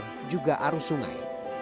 dan juga arus sungai